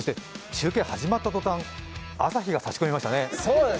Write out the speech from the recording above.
中継始まった途端、朝日が差し込みましたね。